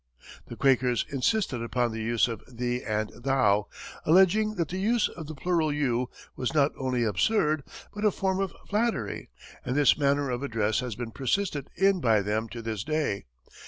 The Quakers insisted upon the use of "thee" and "thou," alleging that the use of the plural "you" was not only absurd, but a form of flattery, and this manner of address has been persisted in by them to this day.